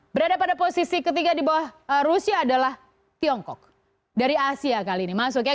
berada pada posisi ketiga di bawah rusia adalah tiongkok dari asia kali ini masuk ya